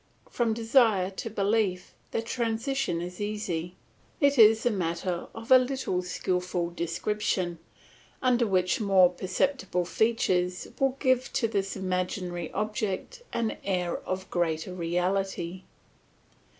From desire to belief the transition is easy; it is a matter of a little skilful description, which under more perceptible features will give to this imaginary object an air of greater reality.